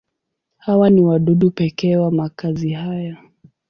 Hawa ni wadudu pekee wa makazi haya.